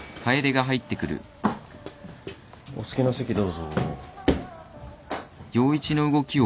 お好きな席どうぞ。